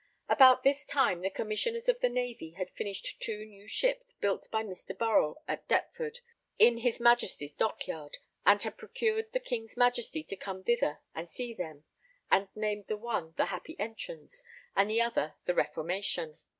About this time the Commissioners of the Navy had finished two new ships built by Mr. Burrell at Deptford in his Majesty's Dockyard, and had procured the King's Majesty to come thither and see them, and named the one the Happy Entrance, and the other the Reformation.